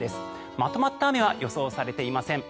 まとまった雨は予想されていません。